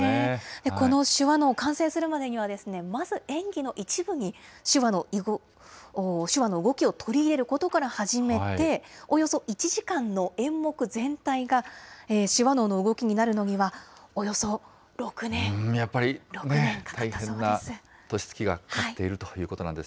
この手話能、完成するまでにはまず演技の一部に手話の動きを取り入れることから始めて、およそ１時間の演目全体が手話能の動きになるのには、およそ６年、６年かかったそうです。